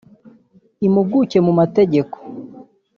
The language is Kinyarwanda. imuguke mu mategeko